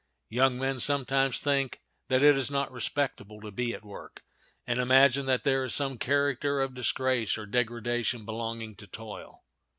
Young men sometimes think that it is not respectable to be at work, and imagine that there is some character of disgrace or degradation belonging to toil.